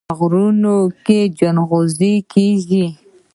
په غرونو کې ځنغوزي کیږي.